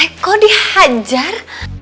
eh kok dihajar